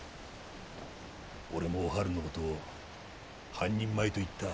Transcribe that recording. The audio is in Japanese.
俺もおはるの事を半人前と言った。